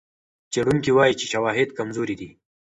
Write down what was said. څېړونکي وايي چې شواهد کمزوري دي.